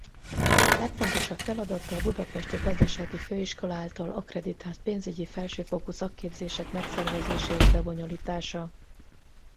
Legfontosabb feladata a Budapesti Gazdasági Főiskola által akkreditált pénzügyi felsőfokú szakképzések megszervezése és lebonyolítása.